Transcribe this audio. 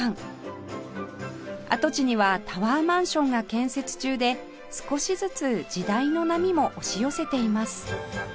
跡地にはタワーマンションが建設中で少しずつ時代の波も押し寄せています